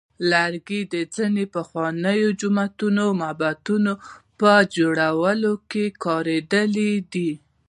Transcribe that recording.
لرګي د ځینو پخوانیو جوماتونو او معبدونو په جوړولو کې کارېدلی دی.